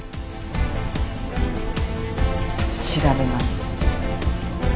調べます。